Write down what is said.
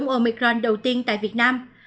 omicron đầu tiên tại việt nam